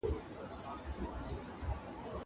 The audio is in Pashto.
زه اوږده وخت لاس پرېولم وم.